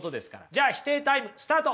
じゃあ否定タイムスタート！